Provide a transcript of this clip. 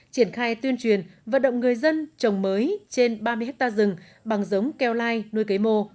triển khai tuyên truyền vận động người dân trồng mới trên ba mươi hectare rừng bằng giống keo lai nuôi cây mô